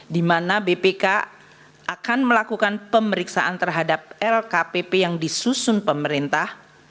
di mana bpk akan melakukan pemeriksaan terhadap lkpp yang disusun pemerintah